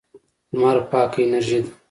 لمر پاکه انرژي ده.